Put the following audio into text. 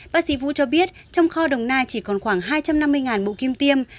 bác sĩ vũ cho biết trong kho đồng nai chỉ còn khoảng hai trăm năm mươi bộ kim tiêm